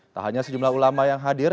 tak hanya sejumlah ulama yang hadir